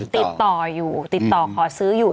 ติดต่ออยู่ติดต่อขอซื้ออยู่